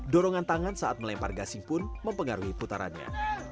dorongan tangan saat melempar gasing pun mempengaruhi putarannya